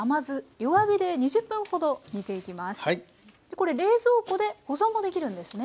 これ冷蔵庫で保存もできるんですね。